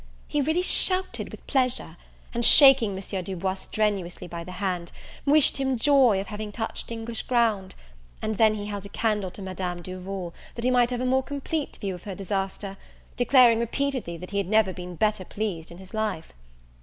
He really shouted with pleasure; and, shaking Monsieur Du Bois strenuously by the hand, wished him joy of having touched English ground; and then he held a candle to Madame Duval, that he might have a more complete view of her disaster, declaring repeatedly, that he had never been better pleased in his life.